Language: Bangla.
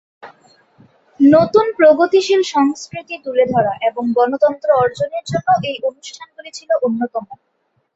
নতুন প্রগতিশীল সংস্কৃতি তুলে ধরা এবং গণতন্ত্র অর্জনের জন্য এই অনুষ্ঠানগুলি ছিল অন্যতম।